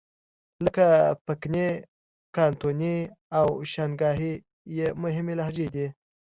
لکه پکني، کانتوني او شانګهای یې مهمې لهجې دي.